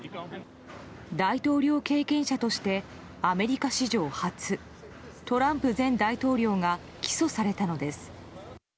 大統領経験者としてアメリカ史上初トランプ前大統領が起訴されたのです。